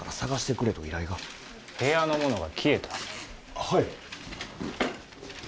はい。